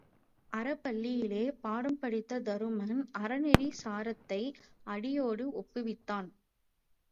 அறப்பள்ளியிலே பாடம் படித்த தருமன் அறநெறிச் சாரத்தை அடியோடு ஒப்புவித்தான்.